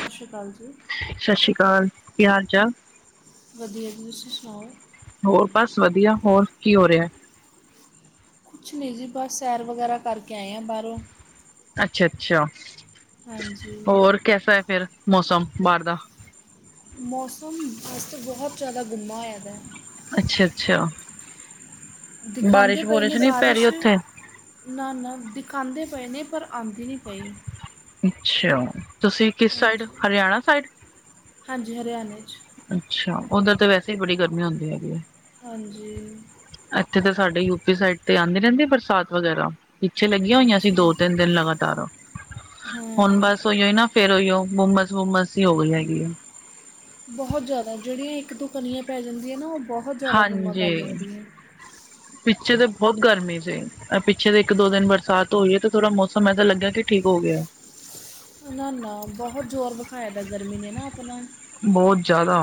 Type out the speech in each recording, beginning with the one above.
ਸਤਿ ਸ਼੍ਰੀ ਅਕਾਲ ਜੀ। ਸਤਿ ਸ਼੍ਰੀ ਅਕਾਲ ਕੀ ਹਾਲ ਚਾਲ ਵਧੀਆ ਜੀ ਤੁਸੀਂ ਸੁਣਾਓ? ਹੋਰ ਬਸ ਵਧੀਆ ਹੋਰ ਕੀ ਹੋ ਰਿਹਾ। ਕੁਛ ਨਹੀਂ ਜੀ ਬਸ ਸੈਰ ਵਗੈਰਾ ਕਰਕੇ ਆਏ ਆਂ ਬਾਹਰੋਂ। ਅੱਛਾ ਅੱਛਾ। ਹਾਂਜੀ। ਹੋਰ ਕੈਸਾ ਹੈ ਫੇਰ ਮੌਸਮ ਬਾਹਰ ਦਾ। ਮੌਸਮ ਬਸ ਬਹੁਤ ਜ਼ਿਆਦਾ ਗੰਦਾ ਹੋਇਆ ਪਿਆ। ਅੱਛਾ ਅੱਛਾ। ਦਿਖਾਂਦੇ ਬਾਰਿਸ਼ ਪਏ ਨੇ ਬੁਰਿਸ਼ ਨਹੀਂ ਪੈ ਰਹੀ ਬਾਰਿਸ਼। ਉੱਥੇ ਨਾ ਨਾ ਦਿਖਾਦੇ ਪਏ ਨੇ, ਪਰ ਆਂਦੀ ਨੀ ਪਈ। ਅੱਛਾ! ਤੁਸੀਂ ਕਿਸ ਸਾਈਡ ਹਾਂਜੀ ਹਰਿਆਣਾ ਸਾਈਡ? ਹਾਂਜੀ ਹਰਿਆਣੇ ਚ। ਅੱਛਾ! ਓੱਧਰ ਤਾਂ ਵੈਸੇ ਈ ਬੜੀ ਗਰਮੀ ਹੁੰਦੀ ਹੈਗੀ ਏ। ਹਾਂਜੀ। ਐਥੇ ਤੇ ਸਾਡੇ ਯੂਪੀ ਸਾਈਡ ਤੇ ਆਂਦੀ ਰੈਂਦੀ ਬਰਸਾਤ ਵਗੈਰਾ। ਪਿੱਛੇ ਲੱਗੀਆਂ ਹੋਈਆਂ ਸੀਂ ਅੱਛਾ ਜੀ ਦੋ-ਤਿੰਨ ਦਿਨ ਲਗਾਤਾਰ ਹੁਨ ਹਾਂ ਬਸ ਓਈਓ ਏ ਨਾ ਫੇਰ ਓਈਓ ਹੁੰਮਸ-ਹੁੰਮਸ ਈ ਹੋ ਗਈ ਹੈਗੀ ਏ। ਬੋਹਤ ਜੈਦਾ ਜੇੜੀਆਂ ਇੱਕ ਦੋ ਕਣੀਆਂ ਪੈ ਜਾਂਦੀਆਂ ਨਾ ਓ ਬੋਹਤ ਜੈਦਾ ਗੁੰਮਾ ਕਰ ਹਾਂਜੀ ਜਾਂਦੀਆਂ। ਪਿੱਛੇ ਤੇ ਬੋਤ ਗਰਮੀ ਸੀ। ਐ ਪਿੱਛੇ ਦੇ ਇੱਕ ਦੋ ਦਿਨ ਬਰਸਾਤ ਹੋਈ ਐ ਤੇ ਥੋੜਾ ਮੌਸਮ ਐਸਾ ਲੱਗਿਆ ਕਿ ਠੀਕ ਓ ਗਿਆ। ਨਾ-ਨਾ ਬੋਹਤ ਜ਼ੋਰ ਵਿਖਾਇਆ ਦਾ ਗਰਮੀ ਨੇ ਨਾ ਅਪਣਾ। ਬੋਤ ਜੈਦਾ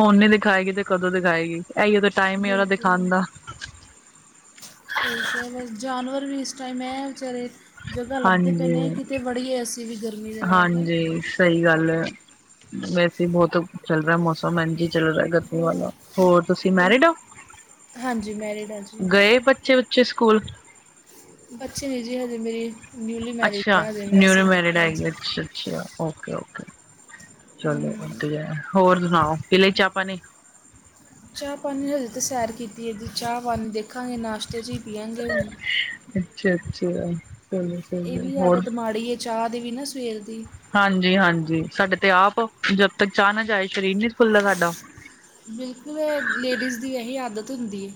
ਹੁਨ ਨੀ ਦਿਖਾਏਗੀ ਤੇ ਕਦੋਂ ਦਿਖਾਏਗੀ। ਐਈਓ ਤੇ ਟਾਈਮ ਏ ਓਦਾ ਬਿਲਕੁਲ ਦਿਖਾਣ ਦਾ। ਸਈ ਕੈ ਰੇ ਜਾਨਵਰ ਵੀ ਇਸ ਟਾਈਮ ਐ ਵਿਚਾਰੇ ਜਗ੍ਹਾ ਲੱਬਦੇ ਪਏ ਹਾਂਜੀ ਨੇ ਕਿਤੇ ਵੜੀਏ ਅਸੀ ਵੀ ਗਰਮੀ ਦੇ ਨਾਲ ਨਾ। ਸਈ ਗੱਲ ਐ ਵੈਸੇ ਬੋਤ ਚੱਲ ਰਿਆ ਮੌਸਮ ਇੰਜ ਈ ਚੱਲ ਰਿਆ ਗਰਮੀ ਉਹ ਵਾਲਾ। ਹੋਰ ਤੁਸੀਂ ਤੇ- ਮੈਰਿਡ ਓ? ਹਾਂਜੀ ਮੈਰਿਡ ਆ ਜੀ। ਗਏ ਬੱਚੇ-ਬੱਚੇ ਸਕੂਲ। ਬੱਚੇ ਨੇ ਜੀ ਹਜੇ ਮੇਰੀ ਨਿਊਲੀ ਮੈਰਿਡ ਅੱਛਾ ਐ ਹਜੇ ਨਿਊ ਵੈਸੇ ਮੈਰਿਡ ਹੈਗੀ ਹਾਂਜੀ। ਅੱਛਾ ਅੱਛਾ ਓਕੇ ਓਕੇ ਚਲੋ ਹਮ, ਵਦੀਆ ਹੋਰ ਸੁਣਾਓ ਪੀ ਲੀ ਚਾਂ ਪਾਨੀ। ਚਾਂ-ਪਾਨੀ ਨੇ ਹਜੇ ਤੇ ਸੈਰ ਕੀਤੀ ਐ ਤੇ ਚਾਂ-ਪਾਣੀ ਦੇਖਾਂਗੇ ਨਾਸ਼ਤੇ ਚ ਪੀਆਂਗੇ ਹੁਨ। ਅੱਛਾ ਅੱਛਾ ਚਲੋ। ਏ ਚਲੋ ਵੀ ਹੋਰ ਆਦਤ ਮਾੜੀ ਏ ਚਾਂ ਦੀ ਵੀ ਨਾ ਸਵੇਰ ਦੀ। ਹਾਂਜੀ-ਹਾਂਜੀ ਸਾਡੇ ਤੇ ਆਪ ਜਦ ਤੱਕ ਚਾਂ ਨਾ ਜਾਏ ਸਰੀਰ ਨੀ ਖੁੱਲਦਾ ਸਾਡਾ। ਬਿਲਕੁਲ ਐ ਲੇਡੀਜ਼ ਦੀ ਐਹੀ ਆਦਤ ਹੁੰਦੀ ਏ।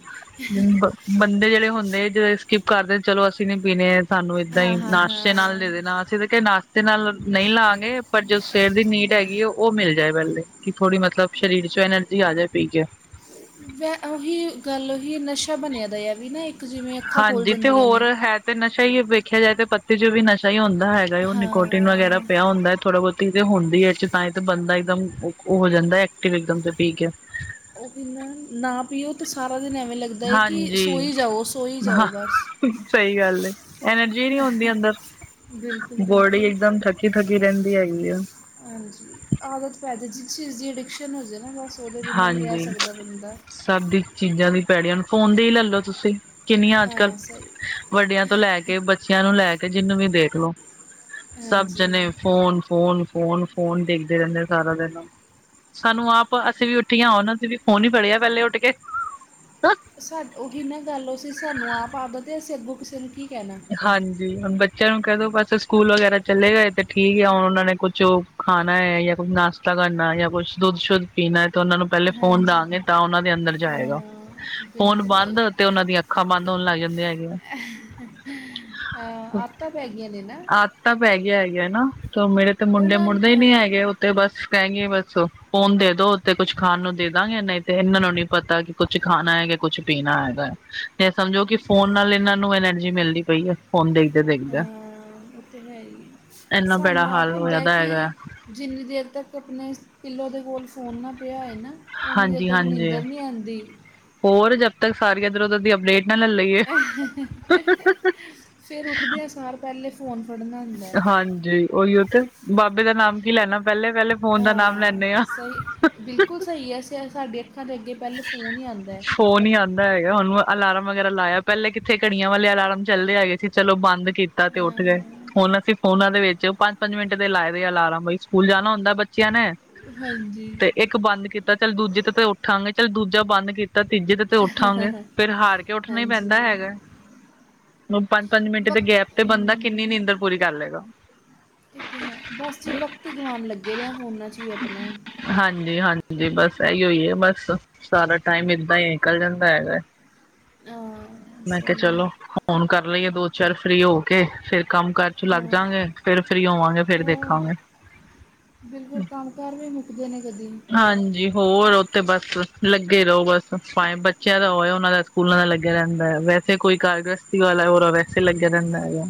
ਬ ਬੰਦੇ ਜੇੜੇ ਹੁੰਦੇ ਜੋਂ ਸਕਿੱਪ ਕਰਦੇ ਚਲੋ ਅਸੀਂ ਨੀ ਪੀਨੇ ਐ। ਸਾਨੂੰ ਏਦਾਂ ਹਾਂ ਈ ਹਾਂ ਨਾਸ਼ਤੇ ਨਾਲ ਹਾਂ ਦੇਨਾ ਅਸੀਂ ਤੇ ਕਿਆ ਨਾ ਸ਼ਤੇ ਨਾਲ ਨਈ ਲਾਂਗੇ ਪਰ ਜੋ ਸਵੇਰ ਦੀ ਨੀਡ ਹੈਗੀ ਏ ਓ ਮਿਲ ਜਾਏ ਪੈਲੇ ਕਿ ਥੋੜੀ ਮਤਲਬ ਸ਼ਰੀਰ ਚ ਐਨਰਜੀ ਆ ਜਾ ਪੀਕੇ। ਵੈ ਓਹੀ ਗੱਲ ਓਹੀ ਨਸ਼ਾ ਬਨਿਆ ਦਾ ਏ ਐਵੀ ਨਾ ਇੱਕ ਜਿਵੇਂ ਅੱਖਾਂ ਖੋਲ ਹਾਂਜੀ ਤੇ ਜਾਂਦੀਆਂ ਹੋਰ ਨੇ। ਹੈ ਤੇ ਨਸ਼ਾ ਈ ਵੇਖਿਆ ਜਾਏ ਤੇ ਪੱਤੀ ਚ ਵੀ ਨਸ਼ਾ ਈ ਹੁੰਦਾ ਹੈਗਾ ਓ ਨਿਕੋਟੀਨ ਵਗੈਰਾ ਹਾਂ ਪਿਆ ਹੁੰਦਾ ਐ ਥੋੜਾ ਬੋਤ ਹੁੰਦੀ ਐ ਤਾਂ ਈ ਤੇ ਬੰਦਾ ਇੱਕਦਮ ਓ ਓ ਜਾਂਦਾ ਐਕਟਿਵ ਇਕਦਮ ਤੇ ਪੀ ਕੇ। ਓ ਵੀ ਨਾ, ਨਾ ਪੀਓ ਤੇ ਸਾਰਾ ਦਿਨ ਐਵੇਂ ਲੱ ਹਾਂਜੀ, ਹ ਬਸ ਸਈ ਗੱਲ ਏ ਐਨਰਜੀ ਨੀ ਹੋਂਦੀ ਅੰਦਰ। ਬਿਲਕੁਲ ਬੋਡੀ ਬਿਲਕੁਲ ਇੱਕਦਮ ਥੱਕੀ-ਥੱਕੀ ਰੈਂਦੀ ਹੈਗੀ ਏ। ਹਾਂਜੀ ਆਦਤ ਪੈ ਜੇ ਜਿਸ ਚੀਜ਼ ਦੀ ਅਡਿਕਸ਼ਨ ਹੋ ਜੇ ਨਾ ਬਸ ਉਹਦੇ ਬਿਨਾਂ ਨਹੀਂ ਰਹਿ ਹਾਂਜੀ ਸਕਦਾ ਬੰਦਾ ਸਬ ਦੀ ਚੀਜ਼ਾਂ ਦੀ ਪੈੜੀਆਂ ਨੂੰ ਫੋਨ ਦੀ ਈ ਲੈਲੋ ਤੁਸੀਂ। ਕਿੰਨੀਆਂ ਆੱਜ ਕੱਲ ਹਾਂ ਸਹੀ ਵੱਡਿਆਂ ਤੋਂ ਲੈ ਕੇ ਬੱਚੀਆਂ ਨੂੰ ਲੈ ਕੇ ਜਿਨੂੰ ਵੀ ਦੇਖਲੋ ਸਬ ਹਾਂਜੀ ਜਨੇ ਫੋਨ ਫੋਨ ਫੋਨ। ਫੋਨ ਦੇਖਦੇ ਰੈਂਦੇ ਸਾਰਾ ਦਿਨ ਸਾਨੂੰ ਆ ਪ ਅਸੀਂ ਵੀ ਉੱਠੀਆਂ ਹੁਨ ਅਸੀਂ ਵੀ ਫੋਨ ਈ ਫੜਿਆ ਪੈਲੇ ਉੱਠ ਕੇ। ਸਾ ਓਹੀ ਨਾ ਗੱਲ ਓਸੀ ਸਾਨੂੰ ਆਪ ਆਦਤ ਏ ਅਸੀਂ ਕਿਸੇ ਨੂੰ ਕੀ ਕਹਿਣਾ ਹਾਂਜੀ ਹੁਨ ਬੱਚਿਆਂ ਨੂੰ ਕੈ ਦੋ ਬਸ ਸਕੂਲ ਵਗੈਰਾ ਚਲੇ ਗਏ ਤੇ ਠੀਕ ਆ ਹੁਨ ਉਨਾਂ ਨੇ ਕੁਛ ਖਾਨਾ ਐ ਯਾ ਕੁ ਨਾਸ਼ਤਾ ਕਰਨਾ ਯਾ ਕੁਛ ਦੁੱਧ ਸ਼ੁੱਧ ਪੀਨਾ ਐ ਤੇ ਉਨਾਂ ਨੂੰ ਪੈਲੇ ਫੋਨ ਹਾਂਜੀ ਦਾਂਗੇ ਤਾਂ ਉਹਨਾਂ ਦੇ ਅੰਦਰ ਜਾਏਗਾ। ਹਾਂ ਫੋਨ ਬਿਲਕੁਲ ਉਹੀ। ਬੰਦ ਤੇ ਉਹਨਾਂ ਦੀਆਂ ਅੱਖਾਂ ਬੰਦ ਹੋਣ ਲੱਗ ਜਾਂਦੇ ਹੈਗੇ। ਹਾਂ ਆਦਤਾਂ ਪੈ ਗਈਆਂ ਨੇ ਨਾ। ਤਾਂ ਪੈ ਗਿਆ ਹੈਗੀਆਂ ਨਾ ਤੇ ਮੇਰੇ ਤੇ ਮੁੰਡੇ ਉਹਨਾਂ ਮੁੜਦੇ ਹੀ ਨੀ ਹਾਂ ਹੈਗੇ ਓ। ਤੇ ਬਸ ਕੈਂਨ ਗੇ ਬਸ ਫੋਨ ਦੇ ਦੋ ਤੇ ਕੁੱਛ ਖਾਣ ਨੂੰ ਦੇ ਦਾਂਗੇ ਨਈ ਤੇ ਇਹਨਾਂ ਨੂੰ ਨੀ ਪਤਾ ਕਿ ਕੁਛ ਖਾਣਾ ਹੈਗਾ ਕੁਛ ਪੀਣਾ ਹੈਗਾ ਜਾਂ ਸਮਝੋ ਕਿ ਫ਼ੋਨ ਨਾਲ ਇਹਨਾਂ ਨੂੰ ਐਨਰਜੀ ਮਿਲਦੀ ਪਈ ਐ। ਹੁਣ ਦੇਖਦੇ-ਦੇਖਦੇ ਹਾਂ ਉਹ ਤੇ ਹੈ ਹੀ ਹੈ। ਇਨਾ ਪੇੜਾ ਸਾਨੂੰ ਆਪ ਹਾਲ ਹੁੰਦਾ ਹੋਆ ਹੈ ਦਾ ਕਿ ਹੈਗਾ। ਜਿੰਨੀ ਦੇਰ ਤੱਕ ਆਪਣੇ ਪਿਲੋ ਦੇ ਕੋਲ ਫੋਨ ਨਾ ਪਿਆ ਹੋਏ ਨਾ। ਉਨੂੰ ਦੇਰ ਤੱਕ ਹਾਂਜੀ-ਹਾਂਜੀ ਨੀਦਰ ਨਈ ਆਂਦੀ। ਹੋਰ ਜਦ ਤੱਕ ਸਾਰੀ ਇੱਧਰ ਉਧਰ ਦੀ ਅਪਡੇਟ ਨਾ ਲੈ ਲਈਏ। ਫਿਰ ਉੱਠਦੇ ਆ ਸਾਰ ਪੈਲੇ ਫੋਨ ਫੜਨਾ। ਹੁੰਦਾ ਹੈ ਹਾਂਜੀ ਉਹੀ ਤੇ ਬਾਬੇ ਦਾ ਨਾਮ ਕੀ ਲੈਣਾ ਪੈਲੇ-ਪੈਲੇ ਹਾਂ ਸਈ ਬਿਲਕੁਲ ਸਈ ਏ ਅਸੀਂ ਸਾਡੀ ਅੱਖਾਂ ਦੇ ਅੱਗੇ ਪੈਲੇ ਫੋਨ ਹੀ ਆਂਦਾ। ਫੋਨ ਹੀ ਆਂਦਾ ਹੈਗਾ ਹੁਣ ਅਲਾਰਮ ਵਗੈਰਾ ਲਾਇਆ ਪੈਲੇ ਕਿੱਥੇ ਘੜੀਆਂ ਵਾਲੇ ਅਲਾਰਮ ਚੱਲਦੇ ਹੈਗੇ ਸੀ ਚਲੋ ਬੰਦ ਕੀਤ ਤੇ ਉੱਠ ਗਏ। ਹਾਂ, ਹੁਣ ਅਸੀਂ ਫੋਨਾਂ ਦੇ ਵਿੱਚ ਪੰਜ-ਪੰਜ ਮਿੰਟ ਦੇ ਲਾਏ ਦੇ ਆ ਅਲਾਰਮ ਬਈ ਸਕੂਲ ਜਾਣਾ ਹੁੰਦਾ ਬੱਚਿਆਂ ਨੇ ਹਾਂਜੀ ਤੇ ਇੱਕ ਬੰਦ ਕੀਤਾ ਚੱਲ ਦੂਜੇ ਤੇ ਤੇ ਉੱਠਾਂਗੇ ਚੱਲ ਦੂਜਾ ਬੰਦ ਕੀਤ ਤਾਂ ਤੀਜੇ ਤੇ ਤੇ ਉੱਠਾਂਗੇ ਫਿਰ ਹਾਰ ਕੇ ਉੱਠਣਾ ਹੀ ਹਾਂਜੀ ਪੈਂਦਾ ਹੈਗਾ। ਪੰਜ-ਪੰਜ ਮਿੰਟ ਦੇ ਵਕਤ ਗੈਪ ਤੇ ਬੰਦਾ ਕਿੰਨੀ ਨੀਂਦਰ ਪੂਰੀ ਕਰ ਲਏਗਾ। ਕਿਥੇ ਹੈ ਬਸ ਜੀ ਵਕਤ ਹੀ ਗਵਾਣ ਲੱਗੇ ਰ ਆ ਫੋਨਾ 'ਚ ਵੀ ਆਪਣਾ ਹਾਂਜੀ-ਹਾਂਜੀ ਬਸ ਇਹੀਓ ਏ ਬਸ ਸਾਰਾ ਟਾਈਮ ਏਦਾਂ ਹੀ ਨਿਕਲ ਜਾਂਦਾ ਹੈਗਾ ਹਾਂ ਮੈਂ ਕਿਆ ਸਹੀ ਚਲੋ। ਫੋਨ ਕਰ ਲਈਏ ਦੋ ਚਾਰ ਫਰੀ ਹੋ ਕੇ ਫਿਰ ਕੰਮ ਕਾਰ 'ਚ ਲੱਗ ਹਾਂ ਜਾਗੇ ਫਿਰ ਫਰੀ ਹੋਵਾਂਗੇ ਫਿਰ ਉਹ ਦੇਖਾਂਗੇ। [inaudible] ਬਿਲਕੁਲ ਕੰਮ ਕਾਰ ਵੀ ਮੁੱਕਦੇ ਨੇ ਕਦੀ ਹਾਂਜੀ ਹੋਰ ਉੱਥੇ ਬਸ ਲੱਗੇ ਰਓ ਬਸ ਭਾਵੇ ਬੱਚਿਆਂ ਦਾ ਹੋਇਆ ਉਹਨਾਂ ਦਾ ਸਕੂਲਾਂ ਦਾ ਲੱਗਿਆ ਰੈਂਦਾ ਵੈਸੇ ਕੋਈ ਕਾਰਗ [unintelligible] ਵੈਸੇ ਲੱਗਿਆ ਰੈਂਦਾ ਹੈਗਾ।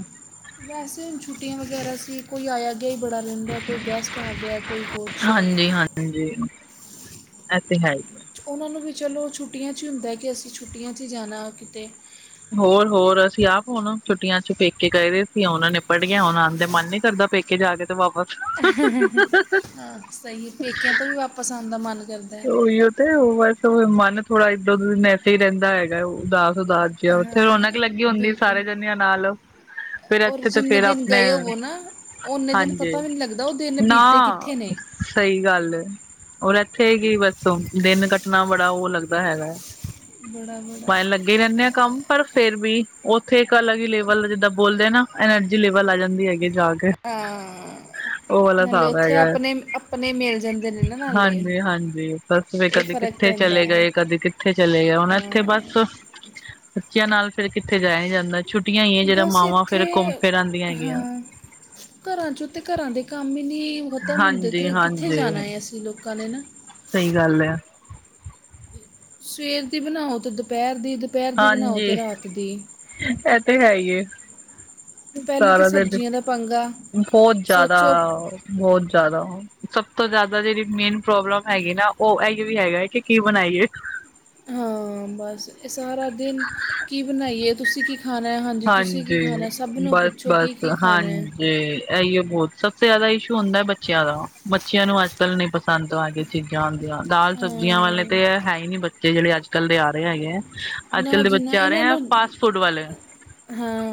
ਵੈਸੇ ਛੁੱਟੀਆਂ ਵਗੈਰਾ ਸੀ ਕੋਈ ਆਇਆ ਅੱਗੇ ਹੀ ਬੜਾ ਰੈਂਦਾ ਕੋਈ ਗਸਟ ਆ ਗਿਆ ਕੋਈ ਕੁਛ ਹਾਂਜੀ ਐ ਤੇ ਹੈ ਹੀ ਉਹਨਾਂ ਨੂੰ ਵੀ ਚਲੋ ਛੁੱਟੀਆਂ 'ਚ ਹੀ ਹੁੰਦਾ ਕਿ ਅਸੀਂ ਛੁੱਟੀਆਂ 'ਚ ਹੀ ਜਾਣਾ ਕਿਤੇ ਹੋਰ-ਹੋਰ ਅਸੀਂ ਆਪ ਹੁਣ ਛੁਟੀਆਂ 'ਚ ਪੇਕੇ ਗਏ ਸੀ ਓ ਨਿਪੜ੍ਹ ਗਿਆ ਹੁਣ ਆਂਦੇ ਮਨ ਨੀ ਕਰਦਾ ਪੇਕੇ ਕੇ ਜਾ ਕੇ ਤੇ ਵਾਪਸ ਹਾਂ ਸਈ ਏ ਪੇਕਿਆਂ ਤੋਂ ਵੀ ਵਾਪਸ ਆਣ ਦਾ ਮਨ ਕਰਦਾ। ਹੈ ਉਹੀ ਤੇ ਓ ਬਸ ਮਨ ਥੋੜਾ ਏਧਰ ਉਧਰ ਦਿਨ ਐਸੇ ਹੀ ਰੈਂਦਾ ਹੈਗਾ ਉਦਾਸ-ਉਦਾਸ ਉੱਥੇ ਰੌਣਕ ਲੱਗੀ ਹਾਂ ਹੁੰਦੀ ਬਿਲਕੁਲ ਸਾਰੇ ਜਣਿਆਂ ਨਾਲ ਫਿਰ ਔਰ ਇੱਥੇ ਤਾਂ ਜਿੰਨੇ ਫਿਰ ਦਿਨ ਆਪਣੇ ਗਏ ਹੋਵੋ ਨਾ ਉਹਨੇ ਦਿਨ ਹਾਂਜੀ ਪਤਾ ਵੀ ਨਹੀਂ ਲੱਗਦਾ ਉਹ ਦਿਨ ਨਾ ਬੀਤਦੇ ਕਿੱਥੇ ਨੇ ਸਈ ਗੱਲ ਏ ਉਰੇ ਉੱਥੇ ਗ ਬਸੋ ਦਿਨ ਕੱਟਣਾ ਬੜਾ ਓ ਲੱਗਦਾ ਹੈਗਾ। ਬੜਾ-ਬੜਾ ਗੇ ਰੈਂਦੇ ਆਂ ਕੰਮ ਪਰ ਫਿਰ ਵੀ ਉੱਥੇ ਇੱਕ ਅਲੱਗ ਹੀ ਲੇਵਲ ਜਿੱਦਾਂ ਬੋਲਦੇ ਆ ਨਾ ਐਨਰਜੀ ਲੇਵਲ ਆ ਜਾਂਦੀ ਹੈਗੀ। ਜਾ ਕੇ ਹਾਂ ਉਹ ਵਾਲਾ ਨਾਲੇ ਹਿਸਾਬ ਉੱਥੇ ਹੈਗਾ ਹੈ। ਆਪਣੇ-ਆਪਣੇ ਮਿਲ ਜਾਂਦੇ ਨੇ ਨਾ ਨਾਲੇ ਹਾਂਜੀ ਹਾਂਜੀ ਬਸ ਵੀ ਇਹ ਕਦੇ ਫਰਕ ਕਿੱਥੇ ਪੈਂਦਾ ਚਲੇ ਹੈ ਗਏ, ਕਦੇ ਕਿੱਥੇ ਚਲੇ ਗਏ ਹੁਣ ਏਥੇ ਬਸ ਅ, ਬੱਚੇਆਂ ਨਾਲ ਫਿਰ ਕਿੱਥੇ ਜਾਇਆ ਜਾਂਦਾ। ਛੁੱਟੀਆਂ ਈ ਜੇੜਾ ਬਸ ਮਾਵਾਂ ਫੇਰ ਇੱਥੇ ਘੁੰਮ ਫਿਰ ਆਂਦੀ ਹੈਗੀਆਂ। ਹਾਂ ਘਰਾਂ ਚੋਂ ਤੇ ਘਰਾਂ ਦੇ ਕੰਮ ਹੀ ਨੀ ਖਤਮ ਹੁੰਦੇ ਹਾਂਜੀ ਤਾਂ ਕਿੱਥੇ ਹਾਂਜੀ ਜਾਣਾ ਹੈਏ ਅਸੀਂ ਲੋਕਾਂ ਨੇ ਨਾ ਸਹੀ ਗੱਲ ਐ। ਸਵੇਰ ਦੀ ਬਣਾਓ ਤੇ ਦੁਪੈਰ ਦੀ ਦੁਪਹਿਰ ਦੀ ਬਣਾਓ ਹਾਂਜੀ ਤੇ ਰਾਤ ਦੀ ਐ ਤੇ ਹੈ ਈ ਏ। ਪੈਲੇ ਤਾਂ ਸਬਜ਼ੀਆਂ ਦਾ ਪੰਗਾ। ਬੋਤ ਜਿਆਦਾ ਸੋਚੋ ਬੋਤ ਜ਼ਿਆਦਾ ਸਭ ਤੋਂ ਜ਼ਿਆਦਾ ਜੇੜੀ ਮੇਨ ਪ੍ਰੋਬਲਮ ਹੈਗੀ ਨਾ ਓ ਐਈਓ ਹੈਗਾ ਹੈ ਕਿ ਕੀ ਬਣਾਈਏ ਹਾਂ ਬਸ ਏ ਸਾਰਾ ਦਿਨ ਕੀ ਬਣਾਈਏ ਤੁਸੀਂ ਕੀ ਖਾਣਾ ਹਾਂਜੀ ਤੁਸੀਂ ਕੀ ਹਾਂਜੀ, ਖਾਣਾ ਸਭ ਨੂੰ ਪੁੱਛੋ ਕੀ-ਕੀ ਖਾਣਾ ਐ। ਏਹੀਓ ਬੋਤ ਸਬਸੇ ਜ਼ਿਆਦਾ ਇਸ਼ੂ ਹੁੰਦਾ ਬੱਚੇਆਂ ਦਾ ਬੱਚੇਆਂ ਨੂੰ ਅੱਜਕੱਲ ਨਹੀਂ ਪਸੰਦ ਆ ਗ ਚੀਜ਼ਾਂ ਹੁੰਦੀਆਂ ਦਾਲ ਸਬਜ਼ੀਆਂ ਵਾਲੇ ਤੇ ਹਾਂ ਹੈ ਈ ਨੀ ਬੱਚੇ ਜੇੜੇ ਅੱਜਕੱਲ ਦੇ ਆ ਰਹੇ ਹੈਗੇ ਐ। ਨਾ ਅੱਜਕੱਲ੍ਹ ਦੇ ਜੀ ਨਾ ਬੱਚੇ ਆ ਰਹੇ ਇਹਨਾਂ ਆ ਨੂੰ ਫਾਸਟ ਫੂਡ ਵਾਲੇ ਹਾਂ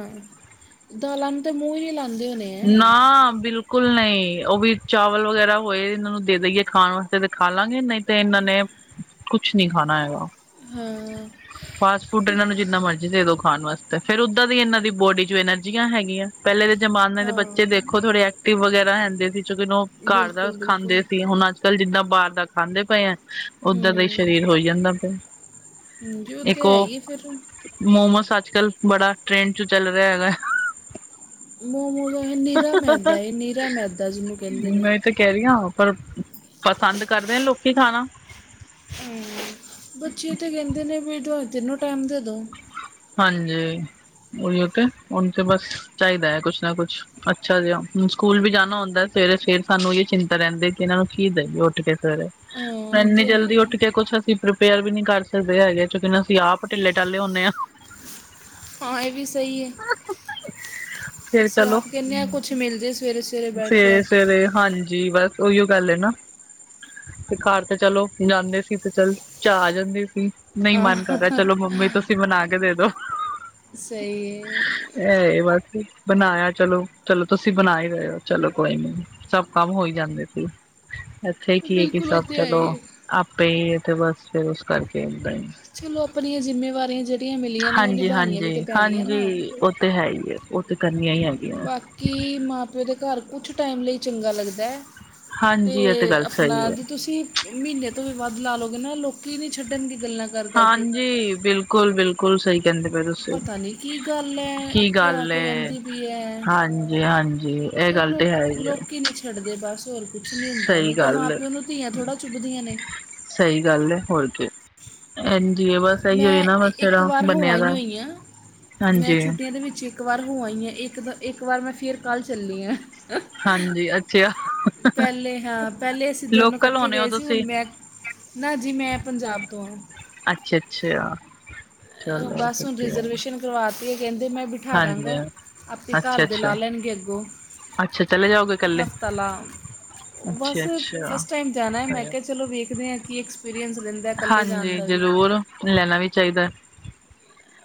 ਦਾਲਾਂ ਨੂੰ ਤਾਂ ਮੂੰਹ ਈ ਨੀ ਲਾਂਦੇ ਹੋਣੇ ਐ। ਨਾ ਬਿਲਕੁਲ ਨਈ ਓ ਵੀ ਚਾਵਲ ਵਗੈਰਾ ਹੋਏ ਏਨਾਂ ਨੂੰ ਦੇ ਦੇਈਏ ਖਾਣ ਵਾਸਤੇ ਤੇ ਖਾ ਲਾਂਗੇ ਨਈ ਤੇ ਏਨਾਂ ਨੇ ਕੁਛ ਨੀ ਖਾਣਾ ਹੈਗਾ। ਹਾਂ। ਫਾਸਟ ਫੂਡ ਏਨਾਂ ਨੂੰ ਜਿੰਨਾ ਮਰਜ਼ੀ ਦੇ ਦੋ ਖਾਣ ਵਾਸਤੇ ਫਿਰ ਓਦਾਂ ਦੀ ਏਨਾਂ ਦੀ ਬੋਡੀ 'ਚ ਐਨਰਜੀਆਂ ਹੈਗੀਆਂ। ਪੈਹਲੇ ਦੇ ਜ਼ਮਾਨੇ ਦੇ ਹਾਂ ਬੱਚੇ ਦੇਖੋ ਥੋੜੇ ਐਕਟਿਵ ਵਗੈਰਾ ਹੈਦੇ ਸੀ ਘਰ ਦਾ ਬਿਲਕੁਲ ਬਿਲਕੁਲ ਖਾਂਦੇ ਸੀ ਹਣ ਕੱਲ ਜਿੱਦਾਂ ਬਾਹਰ ਦਾ ਖਾਂਦੇ ਪਏ ਆ ਹੂੰ ਓਦਾਂ ਦਾ ਹੀ ਸਰੀਰ ਹੋਈ ਜਾਂਦਾ ਪਿਆ। ਹਾਂਜੀ, ਓ ਤਾਂ ਇੱਕ ਹੈ ਉਹ ਹੀ ਫਿਰ ਮੋਮੋਸ ਅੱਜਕਲ੍ਹ ਬੜਾ ਟ੍ਰੈਂਡ ਚ ਚੱਲ ਰਿਹਾ ਹੈਗਾ। ਮੋਮੋਜ ਨੀਰਾ ਮੈਦਾ ਏਹ ਨੀਰਾ ਮੈਦਾ ਜੀਹਨੂੰ ਕੈਹਦੇ ਨੇ। ਮੈਂ ਤਾਂ ਕਹਿ ਰੀਆਂ ਪਰ ਪਸੰਦ ਕਰਦੇ ਆ ਲੋਕੀ ਖਾਣਾ। ਬੱਚੇ ਤੇ ਕਹਿੰਦੇ ਨੇ ਵੀ ਦੋ-ਤਿੰਨੋ ਟਾਈਮ ਦੇਦੋ। ਹਾਂਜੀ, ਉਹੀਓ ਤੇ ਉਹਨੁੰ ਤੇ ਬਸ ਚਾਈਦਾ ਹੈ ਕੁਛ ਨਾ ਕੁਛ ਅੱਛਾ ਜਿ ਹਣ ਸਕੂਲ ਵੀ ਜਾਣਾ ਹੁੰਦਾ ਸਵੇਰੇ ਫੇਰ ਸਾਨੂੰ ਏ ਚਿੰਤਾ ਰੈਦੀ ਕਿ ਏਨਾਂ ਨੂੰ ਕੀ ਦਈਏ ਉੱਠ ਕੇ ਸਵੇਰੇ ਹਾਂ ਇਹ ਐਨੀ ਤੇ ਹੈ ਜਲਦੀ ਹੀ ਹੈ ਉੱਠ ਕੇ ਕੁੱਛ ਅਸੀਂ ਰਿਪੇਅਰ ਵੀ ਨੀ ਕਰ ਸਕਦੇ ਹੈਗੇ ਕਿਉਂਕਿ ਅਸੀਂ ਆਪ ਢਿੱਲੇ-ਢਾਲੇ ਹੁੰਨੇ ਆ। ਹਾਂ ਏ ਵੀ ਸਈ ਏ। ਫੇਰ ਅਸੀਂ ਚਲੋ ਆਪ ਕਹਿਣੇ ਆ ਕੁਛ ਮਿਲਜੇ ਸਵੇਰੇ -ਸਵੇਰੇ ਬੈਡ ਤੇ ਹਾਂਜੀ, ਬਸ ਉਹੀਓ ਗੱਲ ਏ ਨਾ। ਤੇ ਘਰ ਤੇ ਚਲੋ ਜਾਂਦੇ ਸੀ ਤੇ ਚੱਲ ਚਾਹ ਆ ਜਾਂਦੀ ਸੀ। ਨਈ ਆਹ, ਮਨ ਕਰ ਰਿਆ ਚਲੋ ਮੰਮੀ ਤੁਸੀਂ ਬਣਾ ਕੇ ਦੇ ਦੋ। ਸਈ ਏ। ਏ ਬਸ ਬਣਾਇਆ ਚਲੋ, ਚਲੋ ਤੁਸੀਂ ਬਣਾ ਹੀ ਰਏ ਓ ਚਲੋ ਕੋਈ ਨੀ। ਸਭ ਕੰਮ ਹੋਈ ਜਾਂਦੇ ਸੀ। ਐਥੇ ਕੀ ਐ ਕਿ ਬਿਲਕੁਲ ਉਹ ਸਭ ਤੇ ਹੈ ਚਲੋ ਹੀ ਹੈ ਆਪੇ ਈ ਤੇ ਬਸ ਫੇਰ ਓਸ ਕਰਕੇ ਚਲੋ ਆਪਣੀਆਂ ਜਿੰਮੇਵਾਰੀਆਂ ਜੇੜੀਆਂ ਮਿਲੀਆਂ ਨੇ ਹਾਂਜੀ ਓਨਿਭਾਉਣੀਆਂ ਹਾਂਜੀ ਵੀ ਤੇ ਪੈਣੀਆਂ ਨੇ। ਹਾਂਜੀ ਉਹ ਤੇ ਹੈ ਈ ਏ। ਓ ਤੇ ਕਰਨ ਬਾਕੀ, ਮਾਂ- ਪਿਓ ਦੇ ਘਰ ਕੁਛ ਟਾਈਮ ਲਈ ਚੰਗਾ ਲੱਗਦਾ ਹੈ ਤੇ ਹਾਂਜੀ ਇਹ ਗੱਲ ਸਹੀ ਆਪਣਾ ਹੈ ਜ ਤੁਸੀਂ ਮਹੀਨੇ ਤੋਂ ਵੀ ਵੱਧ ਲਾ ਲਓਗੇ ਨਾ, ਲੋਕੀ ਨੀ ਛੱਡਣ ਦੀ ਗੱਲਾਂ ਕਰ ਕਰਕੇ ਹਾਂਜੀ, ਬਿਲਕੁਲ- ਬਿਲਕੁਲ ਬਿਲਕੁਲ ਸਹੀ ਕਹਿੰਦੇ ਪਏ ਤੁਸੀਂ, ਪਤਾ ਨਹੀਂ ਕੀ ਗੱਲ ਹੈ ਕੀ ਇੱਥੇ ਆ ਗੱਲ, ਕੇ ਰਹਿੰਦੀ ਵੀ ਹੈ ਹਾਂਜੀ- ਹਾਂਜੀ ਜੀ, ਇਹ ਅਹ ਗੱਲ ਲੋ ਤੇ ਹੈ ਏ ਲੋਕੀ ਨਹੀਂ ਛੱਡਦੇ, ਬਸ ਹੋਰ ਕੁਛ ਨੀ ਹੁੰਦਾ ਨ, ਤੇ ਮਾਂ- ਏ। ਪਿਓ ਨੂੰ ਧੀਆਂ ਥੋੜਾ ਚੁੱਭਦੀਆਂ ਨੇ ਸਹੀ ਗੱਲ ਹੈ, ਹੋਰ ਕੀ ਐਜੀ ਬਸ ਇਹੀਓ ਮੈਂ ਨਾ ਬਸ ਇੱਕ ਜਿਹੜਾ ਵਾਰ ਹੋ ਬਣਿਆ ਆਈ ਹੀ ਦਾ ਹੋਈ ਹਾਂ, ਮੈਂ ਹਾਂਜੀ ਛੁੱਟੀਆਂ ਦੇ ਵਿੱਚ ਇੱਕ ਇੱਕ ਵਾਰ ਹੋ ਆ ਹੀ ਆਂ, ਇੱਕ, ਇੱਕ ਵਾਰ ਮੈਂ ਫਿਰ ਕੱਲ੍ਹ ਚੱਲੀ ਆ ਹਾਂਜੀ, ਅੱਛਾ ਪਹਿਲੇ ਹਾਂ, ਪਹਿਲੇ ਅਸੀਂ ਦੋਨੋਂ ਲੋਕਲ ਇਕੱਠੇ ਹੋਣੇ ਹੋ ਗਏ ਸੀ ਹੁਣ ਤੁਸੀਂ ਮੈਂ ਨਾ ਜੀ, ਮੈਂ ਪੰਜਾਬ ਤੋਂ ਹਾਂ ਅੱਛਾ- ਅੱਛਾ ਚਲੋ ਬਸ ਹੁਣ ਵਧੀਆ ਰਿਜਰਵੇਸ਼ਨ ਕਰਵਾਤੀਏ ਕਹਿੰਦੇ ਮੈਂ ਬਿਠਾ ਹਾਂਜੀ ਦਾਂਗਾ, ਆਪੇ ਅੱਛਾ ਘਰ ਦੇ ਅੱਛਾ ਲਾ ਲੈਣਗੇ ਅੱਗੋਂ ਅੱਛਾ, ਚਲੇ ਜਾਓਗੇ ਕੱਲੇ ਹਫਤਾ ਲਾ ਬਸ, ਫਸਟ ਟਾਈਮ ਜਾਣਾ ਹੈ ਮੈਂ ਕਿਹਾ ਚਲੋ ਵੇਖਦੇ ਆ, ਕੀ ਐਕਸਪੀਰੀਅੰਸ ਲੈਂਦੇ ਹਾਂਜੀ ਜ਼ਰੂਰ, ਲੈਣਾ ਵੀ ਚਾਹੀਦਾ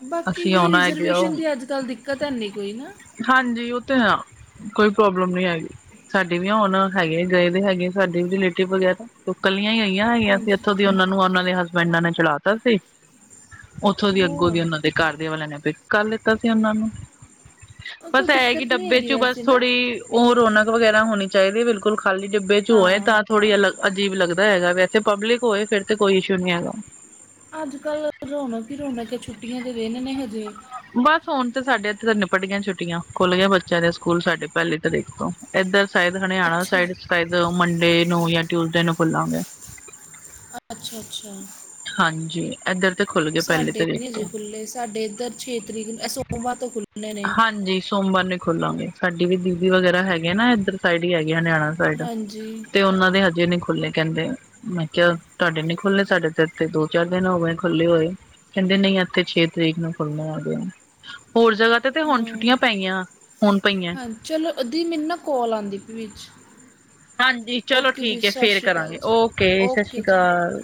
ਬਾਕੀ ਅਸੀਂ ਇਹ, ਆਉਣਾ ਹੈਗੇ ਆ ਰਿਜ਼ਰਵੇਸ਼ਨ ਦੀ ਅੱਜ- ਕੱਲ੍ਹ ਦਿੱਕਤ ਹੈਨੀ ਕੋਈ ਨਾ ਹਾਂਜੀ, ਉਹ ਤੇ ਆ, ਕੋਈ ਪ੍ਰੋਬਲਮ ਨਹੀਂ ਹੈਗੀ, ਸਾਡੀ ਵੀ ਹੁਣ ਹੈਗੇ ਗਏ ਦੇ ਹੈਗੇ ਸਾਡੇ ਵੀ ਰਿਲੇਟਿਵ ਵਗੈਰਾ, ਉਹ ਇਕੱਲੀਆਂ ਆਈਆ ਹੀ ਹੋਈਆਂ ਹੈਗੀਆਂ ਸੀ ਹਾਂਜੀ ਇੱਥੋਂ ਦੀ ਉਹਨਾਂ ਨੂੰ ਉਹਨਾਂ ਦੇ ਹਸ ਪਿੰਡ ਨੇ ਚਲਾ ਤਾ ਸੀ, ਉੱਥੋਂ ਦੀ ਅੱਗੋਂ ਹੋਰ ਦੀ ਉਹਨਾਂ ਦੇ ਘਰਦਿਆਂ ਵਾਲਿਆਂ ਨੇ ਪਿਕ ਕਰ ਲਿੱਤਾ ਸੀ ਉਹਨਾਂ ਨੂੰ ਅਹ ਕੋਈ ਬਸ ਇਹ ਕਿ ਦਿੱਕਤ ਨਹੀਂ ਡੱਬੇ ਹੈਗੀ 'ਚ ਬਸ ਵੈਸੇ ਨਾ ਥੋੜ੍ਹੀ ਉਹ ਰੌਣਕ ਵਗੈਰਾ ਹੋਣੀ ਚਾਹੀਦੀ ਹੈ ਬਿਲਕੁਲ ਖਾਲੀ ਡਿੱੱਬੇ 'ਚ ਹੋਏ ਹਾਂ ਤਾਂ ਥੋੜ੍ਹੀ ਅਲੱਗ ਅਜੀਬ ਲੱਗਦਾ ਹੈਗਾ, ਵੈਸੇ ਪਬਲਿਕ ਹੋਏ ਫਿਰ ਤੇ ਕੋਈ ਇਸ਼ੂ ਨਹੀਂ ਹੈਗਾ ਅੱਜ ਕੱਲ ਰੌਣਕ ਹੀ ਰੌਣਕ, ਛੁੱਟੀਆਂ ਦੇ ਦਿਨ ਨੇ ਹਜੇ ਬਸ ਹੁਣ ਤੇ ਸਾਡੇ ਇੱਥੇ ਤਾਂ ਨਿਪਟ ਗਿਆ ਆਂ ਛੁੱਟੀਆਂ, ਖੁੱਲਗੇ ਆਂ ਬੱਚਿਆਂ ਦੇ ਸਕੂਲ, ਸਾਡੇ ਪਹਿਲੀ ਤਰੀਕ ਤੋਂ ਇੱਧਰ ਸ਼ਾਇਦ ਹਰਿਆਣਾ ਅੱਛਾ ਸਾਇ ਜੀ ਸ਼ਾਇਦ ਮੰਡੇ ਨੂੰ ਜਾਂ ਟਿਊਸਡੇ ਨੂੰ ਖੁੱਲਾਂਗੇ ਅੱਛਾ- ਅੱਛਾ ਹਾਂਜੀ ਇੱਧਰ ਤੇ ਖੁੱਲ ਗਏ ਪਹਿਲੀ ਸਾਡੇ ਤਰੀਕ ਹਜੇ ਤੋਂ ਖੁੱਲ੍ਹੇ, ਸਾਡੇ ਇੱਧਰ ਛੇ ਤਰੀਕ ਸੋਮਵਾਰ ਤੋਂ ਖੁੱਲੇ ਹਾਂਜੀ ਸੋਮਵਾਰ ਨੇ ਖੋਲਾਂਗੇ, ਸਾਡੀ ਵੀ ਦੀਬੀ ਵਗੈਰਾ ਹੈਗੀ ਹੈਗੀਆ ਨਾ ਇੱਧਰ ਸਾਈਡ ਹੀ ਹੈਗੇ ਹਰਿਆਣਾ ਸਾਈਡ, ਹਾਂਜੀ ਤੇ ਉਹਨਾਂ ਦੇ ਹਜੇ ਨੀ ਨਹੀਂ ਖੁੱਲੇ ਕਹਿੰਦੇ, ਮੈਂ ਕਿਹਾ ਤੁਹਾਡੇ ਨੀ ਖੁੱਲੇ ਸਾਡੇ ਦੋ ਚਾਰ ਦਿਨ ਹੋ ਗਏ ਖੁੱਲ੍ਹੇ ਹੋਏ, ਕਹਿੰਦੇ ਨਹੀਂ ਇੱਥੇ ਛੇ ਤਰੀਕ ਨੂੰ ਖੁੱਲੇ ਆਗੇ ਹੋਰ ਜਗ੍ਹਾ ਤੇ ਹੁਣ ਛੁੱਟੀਆਂ ਪਈਆ, ਹੁਣ ਪਈਆਂ ਹਾਂਜੀ ਚਲੋ, ਅਧ ਮੈਨੂੰ ਨਾ ਕੋਲ ਆਉਂਦੀ ਵੀ 'ਚ ਹਾਂਜੀ ਚਲੋ ਓਕੇ ਜੀ, ਠੀਕ ਹੈ ਸਤਿ ਫੇਰ ਸ਼੍ਰੀ ਅਕਾਲ ਕਰਾਂਗੇ ਜੀ, ਸਤਿ ਓਕੇ ਸ਼੍ਰੀ ਜੀ ਅਕਾਲ।